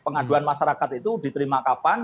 pengaduan masyarakat itu diterima kapan